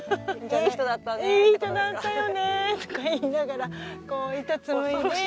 いい人だったよねとか言いながらこう糸紡いで。